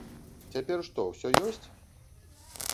Цяпер што, усё ёсць?!